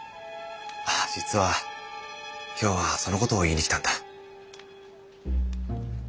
実は今日はそのことを言いに来たんだ。